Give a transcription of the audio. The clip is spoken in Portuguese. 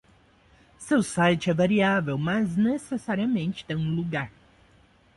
Seu site é variável, mas necessariamente tem um lugar.